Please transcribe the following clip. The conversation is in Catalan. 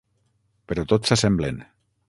Però tots s'assemblen.